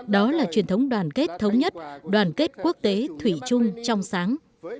đó là truyền thống đoàn kết thống nhất đoàn kết quốc tế thủy chung trong sáng